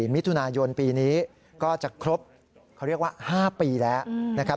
มิถุนายนปีนี้ก็จะครบเขาเรียกว่า๕ปีแล้วนะครับ